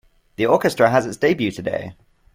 The orchestra has its debut today.